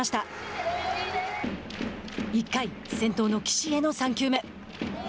１回、先頭の岸への３球目。